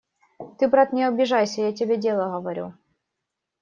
Ты, брат, не обижайся, я тебе дело говорю.